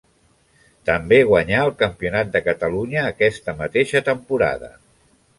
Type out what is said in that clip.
També guanyà el campionat de Catalunya aquesta mateixa temporada.